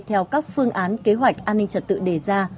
theo các phương án kế hoạch an ninh trật tự đề ra